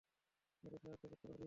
তাদের সাহায্য করতে পারি।